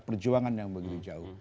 perjuangan yang begitu jauh